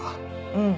うん。